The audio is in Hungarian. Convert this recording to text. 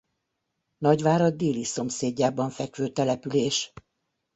Nagyvárad déli szomszédjában fekvő település.